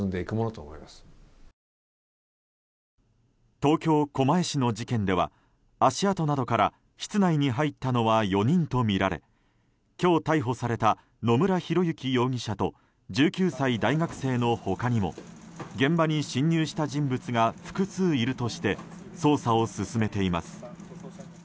東京・狛江市の事件では足跡などから室内に入ったのは４人とみられ今日逮捕された野村広之容疑者と１９歳大学生の他にも現場に侵入した人物が複数いるとして捜査を進めています。